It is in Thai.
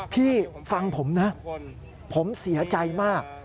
พี่ฟังผมนะผมเสียใจมาก